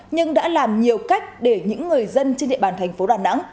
nhưng đã làm nhiều cách để những người dân trên địa bàn thành phố đà nẵng